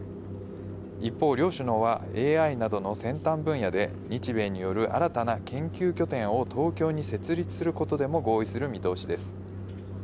一方、両首脳はＡＩなどの先端分野で、日米による新たな研究拠点を東京に設立することでも合意する見通しです。